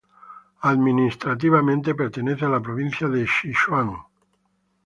Administrativamente, pertenece a la provincia de Sichuan.